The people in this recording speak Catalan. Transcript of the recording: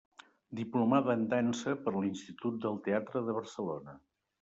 Diplomada en Dansa per l'Institut del Teatre de Barcelona.